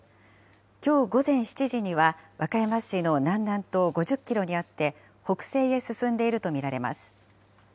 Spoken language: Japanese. きょう午前７時には、和歌山市の南南東５０キロにあって、北西へ進んでいると見られます。